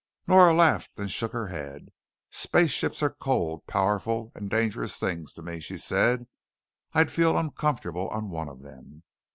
Nora laughed and shook her head. "Space ships are cold, powerful, and dangerous things to me," she said. "I'd feel uncomfortable on one of them."